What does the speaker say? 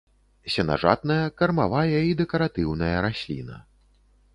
Сенажатная, кармавая і дэкаратыўная расліна.